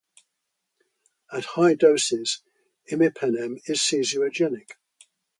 At high doses, imipenem is seizurogenic.